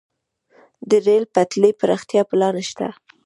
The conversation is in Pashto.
د ریل پټلۍ پراختیا پلان شته